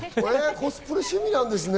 コスプレが趣味なんですね。